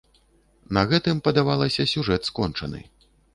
На гэтым, падавалася, сюжэт скончаны.